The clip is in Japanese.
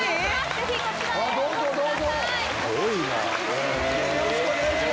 ぜひこちらへお越しください。